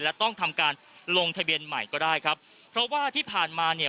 และต้องทำการลงทะเบียนใหม่ก็ได้ครับเพราะว่าที่ผ่านมาเนี่ย